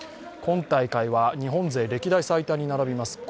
今大会は日本勢、歴代最多に並びます